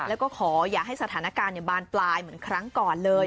แล้วก็ขออย่าให้สถานการณ์บานปลายเหมือนครั้งก่อนเลย